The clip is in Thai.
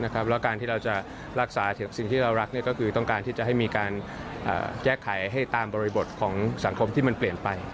แล้วการที่เราจะรักษาสิ่งที่เรารักก็คือต้องการที่จะให้มีการแก้ไขให้ตามบริบทของสังคมที่มันเปลี่ยนไป